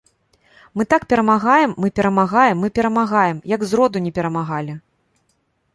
Мы так перамагаем, мы перамагаем, мы перамагаем, як зроду не перамагалі.